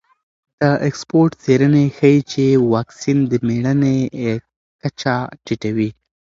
د اکسفورډ څېړنې ښیي چې واکسین د مړینې کچه ټیټوي.